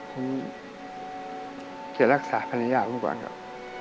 ผมจะรักษาภรรยาผมก่อนครับ